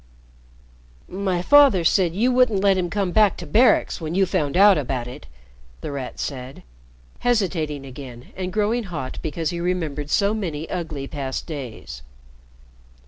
"My father said you wouldn't let him come back to Barracks when you found out about it," The Rat said, hesitating again and growing hot because he remembered so many ugly past days.